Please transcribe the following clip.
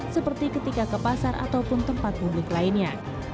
seperti ketika ke pasar ataupun tempat publik lainnya